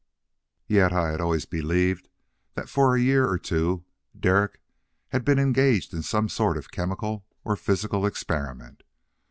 Yet I had always believed that for a year or two Derek had been engaged in some sort of chemical or physical experiment.